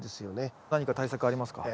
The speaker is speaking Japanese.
何か対策ありますか？